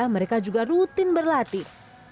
mereka juga rutin berlatih